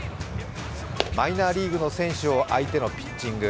マイナーリーグの選手を相手のピッチング。